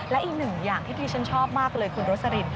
และอีกหนึ่งอย่างที่ที่ฉันชอบมากเลยคุณโรสลิน